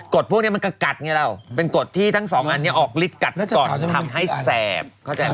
กรดพวกนี้มันก็กัดไงเราเป็นกรดที่ทั้งสองอันนี้ออกฤทธิ์กัดก่อนทำให้แสบ